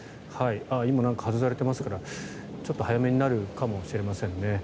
今、何か外されていますからちょっと早めになるかもしれませんね。